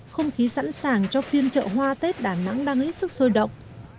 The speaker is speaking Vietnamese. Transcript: không khí sẵn sàng cho phiên chợ hoa tết đà nẵng đang hết sức sôi động